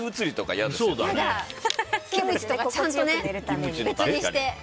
キムチとか、ちゃんと別にして。